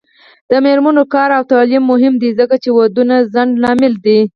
د میرمنو کار او تعلیم مهم دی ځکه چې ودونو ځنډ لامل دی.